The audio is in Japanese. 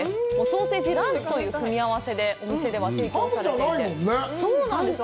ソーセージランチという組み合わせでお店では提供されています。